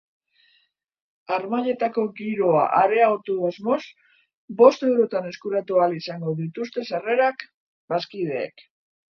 Harmailetako giroa areagotu asmoz, bost eurotan eskuratu ahal izango dituzte sarrerak bazkideek.